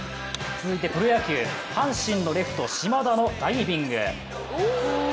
続いてプロ野球阪神のレフト・島田のダイビング。